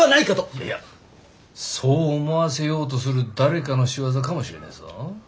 いやいやそう思わせようとする誰かの仕業かもしれねえぞ。